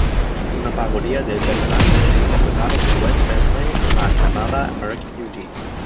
Es una parodia del personaje interpretado por Wes Bentley en la aclamada "American Beauty".